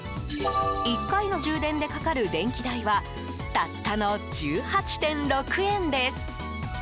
１回の充電でかかる電気代はたったの１８．６円です。